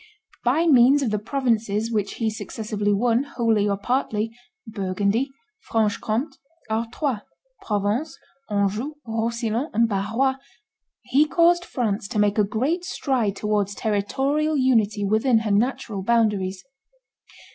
By means of the provinces which he successively won, wholly or partly, Burgundy, Franche Comte, Artois, Provence, Anjou, Roussillon, and Barrois, he caused France to make a great stride towards territorial unity within her natural boundaries.